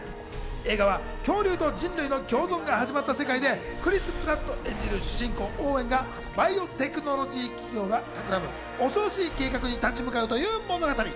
映画は恐竜と人類の共存が始まった世界でクリス・プラット演じる主人公オーウェンがバイオテクノロジー企業がたくらむ恐ろしい計画に立ち向かうという物語。